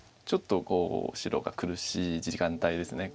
ちょっと白が苦しい時間帯です